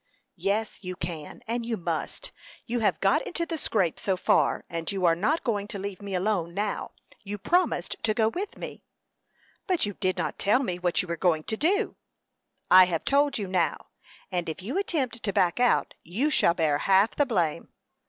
"Yes, you can; and you must. You have got into the scrape so far, and you are not going to leave me alone now. You promised to go with me." "But you did not tell me what you were going to do." "I have told you now; and if you attempt to back out, you shall bear half the blame."